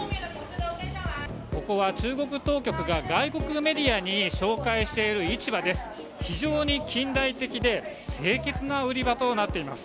ここは中国当局が外国メディアに紹介している市場です。